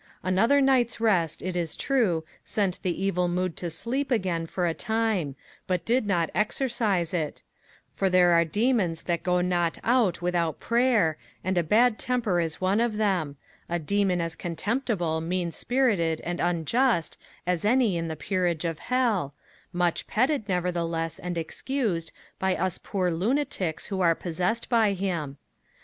Another night's rest, it is true, sent the evil mood to sleep again for a time, but did not exorcise it; for there are demons that go not out without prayer, and a bad temper is one of them a demon as contemptible, mean spirited, and unjust, as any in the peerage of hell much petted, nevertheless, and excused, by us poor lunatics who are possessed by him.